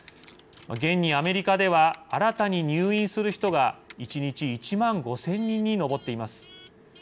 現にアメリカでは新たに入院する人が、１日１万５０００人に上っています。